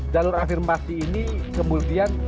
jalur afirmasi ini kemudian